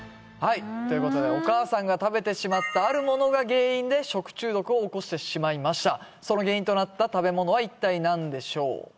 はいということでお母さんが食べてしまったあるものが原因で食中毒を起こしてしまいましたその原因となった食べ物は一体何でしょう？